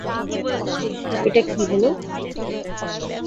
এটা কী হলো?